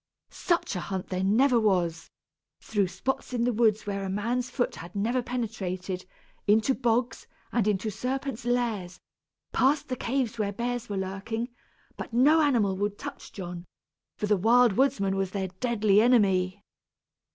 Such a hunt there never was! Through spots in the woods where man's foot had never penetrated, into bogs, and into serpents' lairs, past the caves where bears were lurking; but no animal would touch John, for the Wild Woodsman was their deadly enemy.